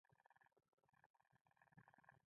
د وینز په بنسټونو کې دغه بدلون د پراختیا لامل شو